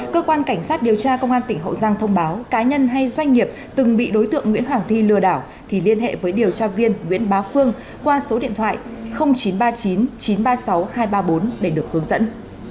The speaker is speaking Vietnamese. cơ quan cảnh sát điều tra công an tỉnh hậu giang thông báo cá nhân hay doanh nghiệp từng bị đối tượng nguyễn hoàng thi lừa đảo thì liên hệ với điều tra viên nguyễn bá phương qua số điện thoại chín trăm ba mươi chín chín trăm ba mươi sáu hai trăm ba mươi bốn để được hướng dẫn